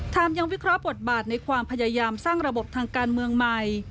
ยังวิเคราะห์บทบาทในความพยายามสร้างระบบทางการเมืองใหม่